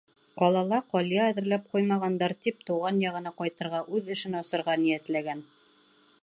Ҡалала ҡалъя әҙерләп ҡуймағандар тип, тыуған яғына ҡайтырға, үҙ эшен асырға ниәтләгән.